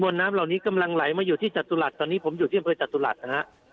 น้ำเหล่านี้กำลังไหลมาอยู่ที่จตุรัสตอนนี้ผมอยู่ที่อำเภอจตุรัสนะฮะ